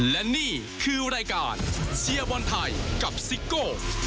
และนี่คือรายการเชียร์บอลไทยกับซิโก้